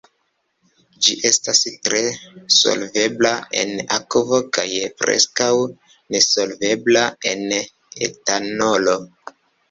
Ĝi estas tre solvebla en akvo kaj preskaŭ nesolvebla en etanolo.